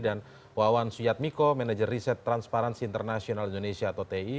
dan wawan syiatmiko manager riset transparansi internasional indonesia atau ti